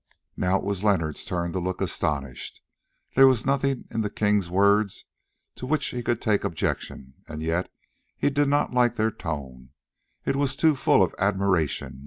Now it was Leonard's turn to look astonished. There was nothing in the king's words to which he could take objection, and yet he did not like their tone; it was too full of admiration.